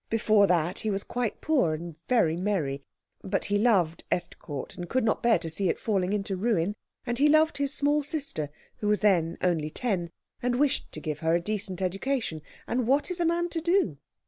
Before that he was quite poor, and very merry; but he loved Estcourt, and could not bear to see it falling into ruin, and he loved his small sister, who was then only ten, and wished to give her a decent education, and what is a man to do?